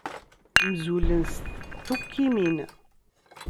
Mzulen s tukkimin.